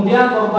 dari pintu mobil